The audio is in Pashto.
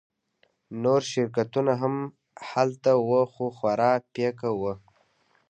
نور شرکتونه هم هلته وو خو خورا پیکه وو